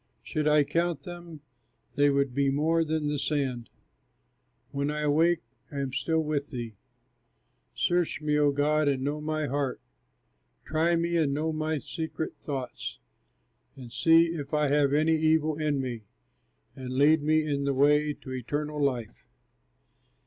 Should I count them, they would be more than the sand; When I awake, I am still with thee. Search me, O God, and know my heart, Try me, and know my secret thoughts, And see if I have any evil in me, And lead me in the way to eternal life.